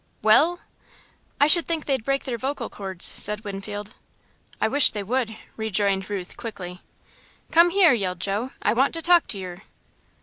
"Well?" "I should think they'd break their vocal cords," said Winfield. "I wish they would," rejoined Ruth, quickly. "Come here!" yelled Joe. "I want to talk to yer."